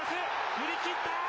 振り切った！